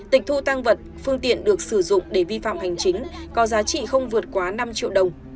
tịch thu tăng vật phương tiện được sử dụng để vi phạm hành chính có giá trị không vượt quá năm triệu đồng